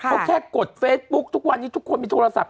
เขาแค่กดเฟซบุ๊คทุกวันนี้ทุกคนมีโทรศัพท์